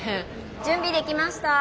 準備できました。